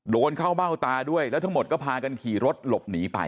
โดนเข้าเบ้าตาด้วยแล้วทั้งหมดก็พากันขี่รถหลบหนีไป